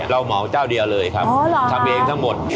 เหมาเจ้าเดียวเลยครับทำเองทั้งหมด